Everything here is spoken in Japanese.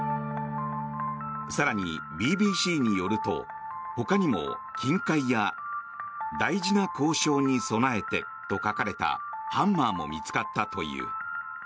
更に、ＢＢＣによるとほかにも金塊や大事な交渉に備えてと書かれたハンマーも見つかったという。